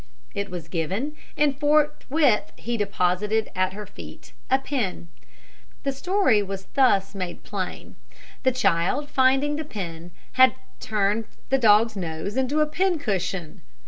It was given, and forthwith he deposited at her feet a pin. The story was thus made plain. The child, finding the pin, had turned the dog's nose into a pin cushion.